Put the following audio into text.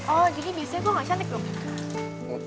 oh jadi biasanya gue gak cantik loh